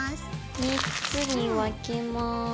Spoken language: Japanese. ３つに分けます。